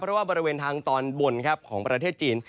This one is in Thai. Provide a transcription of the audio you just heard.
เพราะว่าบริเวณทางตอนบนของประเทศจีน